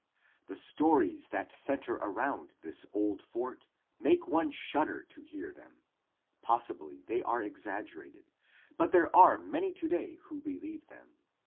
The stories that center around this old fort make one shudder to hear them. Possibly they are exaggerated, but there are many today who believe them.